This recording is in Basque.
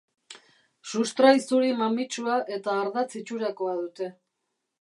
Sustrai zuri mamitsua eta ardatz itxurakoa dute.